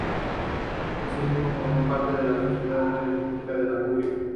Asimismo, formó parte de la Sociedad de Beneficencia Pública.